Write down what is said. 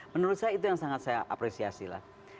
menurut saya itu yang sangat saya apresiasi lah